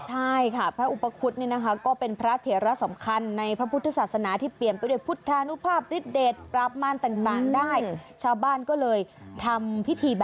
ใช่ค่ะพระอุปกรุษก็เป็นพระเถระสำคัญในพระพุทธศาสนาที่เปลี่ยนเป็นพุทธธานุภาพฤทธิ์ปราบม่านต่างได้